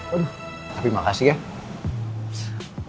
aduh terima kasih ya